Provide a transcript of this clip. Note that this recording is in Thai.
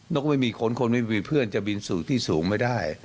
ก็ไม่มีคนคนไม่มีเพื่อนจะบินสู่ที่สูงไม่ได้